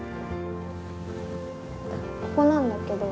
ここなんだけど。